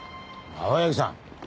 青柳さん。